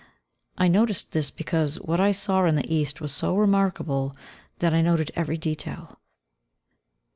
I noticed this because what I saw in the east was so remarkable that I noted every detail.